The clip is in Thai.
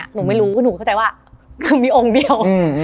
หนูเข้าใจว่ามีองค์เดียว